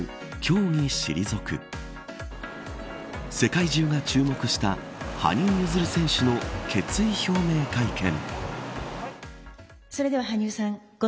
世界中が注目した羽生結弦選手の決意表明会見。